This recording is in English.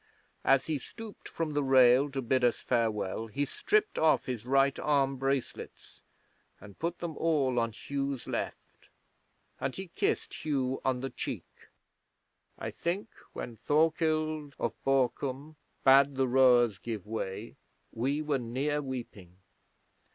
As he stooped from the rail to bid us farewell he stripped off his right arm bracelets and put them all on Hugh's left, and he kissed Hugh on the cheek. I think when Thorkild of Borkum bade the rowers give way we were near weeping.